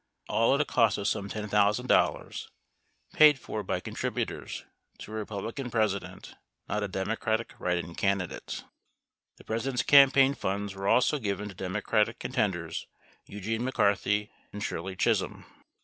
All at a cost of some $10,000, paid for by contributors to a Re publican President, not a Democratic write in candidate. 53 The President's campaign funds were also given to Democratic con tenders Eugene McCarthy and Shirley Chisholm.